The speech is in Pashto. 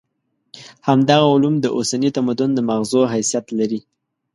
همدغه علوم د اوسني تمدن د ماغزو حیثیت لري.